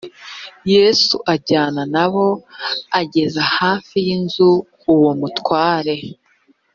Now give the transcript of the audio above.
yesu ajyana na bo ageze hafi y inzu uwo mutware